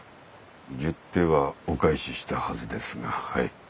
十手はお返ししたはずですがはい。